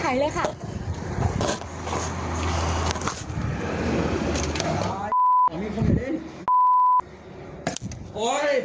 อิปิ๊บ